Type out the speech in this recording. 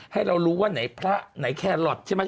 ให้เรารู้ว่าไหนพระไหนแคลอทใช่ไหม